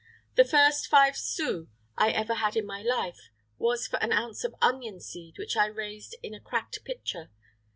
The first five sous I ever had in my life was for an ounce of onion seed which I raised in a cracked pitcher.